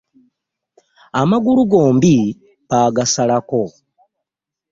Amagulu gombi baagasalako.